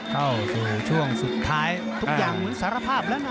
เข้าสู่ช่วงสุดท้ายทุกอย่างเหมือนสารภาพแล้วนะ